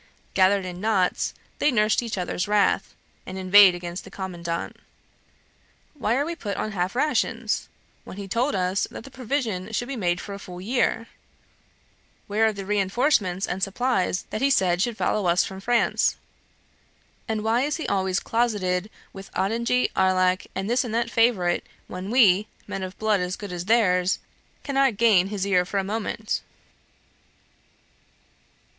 Gathered in knots, they nursed each other's wrath, and inveighed against the commandant. Why are we put on half rations, when he told us that provision should be made for a full year? Where are the reinforcements and supplies that he said should follow us from France? And why is he always closeted with Ottigny, Arlac, and this and that favorite, when we, men of blood as good as theirs, cannot gain his ear for a moment?